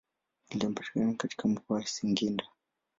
Linapatikana katika mkoa wa Singida.